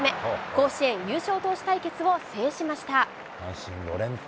甲子園優勝投手対決を制しました。